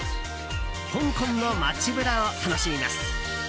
香港の街ブラを楽しみます。